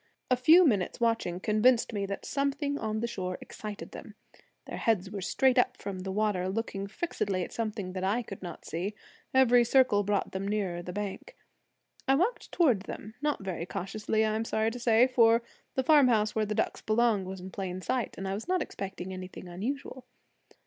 A few minutes' watching convinced me that something on the shore excited them. Their heads were straight up from the water, looking fixedly at something that I could not see; every circle brought them nearer the bank. I walked towards them, not very cautiously, I am sorry to say; for the farmhouse where the ducks belonged was in plain sight, and I was not expecting anything unusual.